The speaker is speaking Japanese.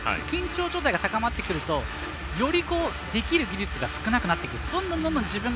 緊張状態が高まってくるとより、できる技術が少なくなってくるんです。